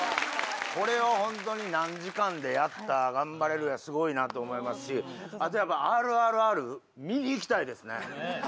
これを本当に何時間でやったガンバレルーヤスゴいなと思いますしあとやっぱ『ＲＲＲ』見に行きたいですね。